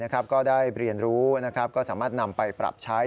ก็ได้เรียนรู้ก็สามารถนำไปปรับใช้